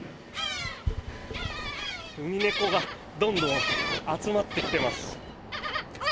ウミネコがどんどん集まってきてます。